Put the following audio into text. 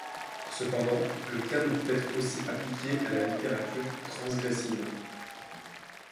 Cependant, le terme peut être aussi appliqué à la littérature transgressive.